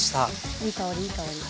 いい香りいい香り。